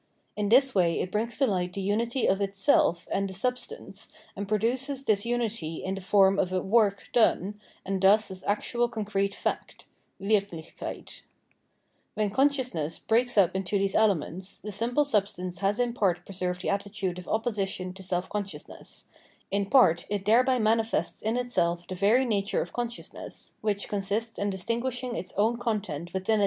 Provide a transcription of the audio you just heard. In this way it brings to light the unity of its self and the substance, and produces this unity in the form of a "work"'"' done, and thus as actual concrete fact {Wirhlichheit), When consciousness breaks up into these elements, the simple substance has in part preserved' the attitude of opposition to self consciousness ; in part it thereby manifests in itself the very nature of consciousness, which consists in distinguishing its own content within * Der wahre Geist.